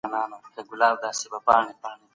دا د افغانستان د لرغوني تاریخ ژوندي شاهدان دي.